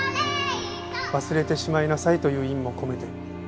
忘れてしまいなさいという意味も込めて。